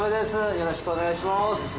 よろしくお願いします。